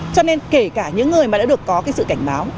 cho nên kể cả những người mà đã được có cái sự cảnh báo